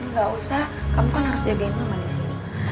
gak usah kamu kan harus jagain keamanan disini